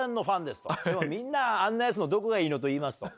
でもみんなあんなやつのどこがいいのと言いますと。